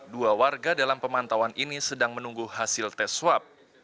dua warga dalam pemantauan ini sedang menunggu hasil tes swab